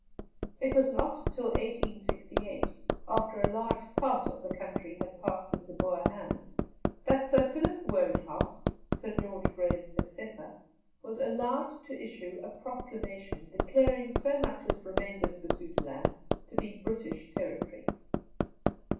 It was not till 1868, after a large part of the country had passed into Boer hands, that Sir Philip Wodehouse, Sir George Grey's successor, was allowed to issue a proclamation declaring so much as remained of Basutoland to be British territory.